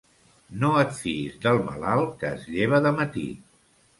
No et fiïs del malalt que es lleva de matí.